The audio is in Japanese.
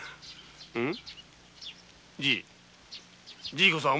うん？